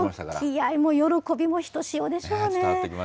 気合いも喜びもひとしおでしょうね。